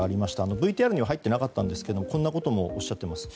ＶＴＲには入っていなかったんですがこんなこともおっしゃっています。